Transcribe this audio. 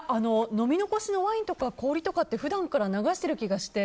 飲み残しのワインとか氷とか普段から流している気がして。